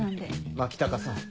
牧高さん。